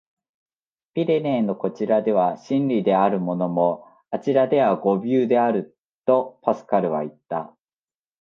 「ピレネーのこちらでは真理であるものも、あちらでは誤謬である」、とパスカルはいった。